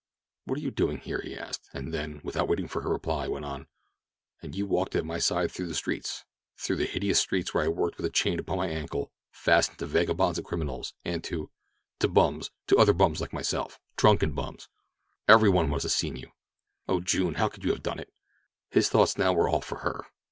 "What are you doing here?" he asked; and then, without waiting for her reply, went on: "And you walked at my side through the streets—through the hideous streets where I have worked with a chain upon my ankle, fastened to vagabonds and criminals, and to—to bums—to other bums like myself—drunken bums! Every one must have seen you. Oh, June, how could you have done it?" His thoughts now were all for her.